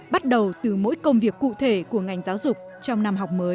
bắt đầu từ mỗi công việc cụ thể của ngành giáo dục trong năm học mới